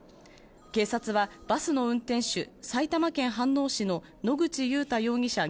警察はバスの運転手埼玉県飯能市の野口祐太容疑者